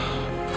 saya ada di malam